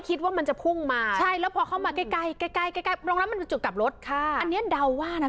คิดว่ามันจะพุ่งมาใช่แล้วพอเขามันใกล้น้ำนะคะอันนี้ดาวว่านะ